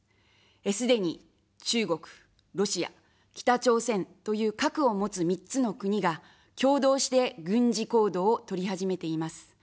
すでに中国、ロシア、北朝鮮という核を持つ３つの国が共同して軍事行動をとり始めています。